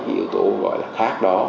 yếu tố khác đó